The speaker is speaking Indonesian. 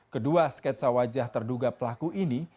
kedua sketsa wajah terduga pelaku ini